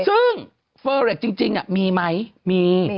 ซึ่งเฟอร์เร็จจริงมีไหมมี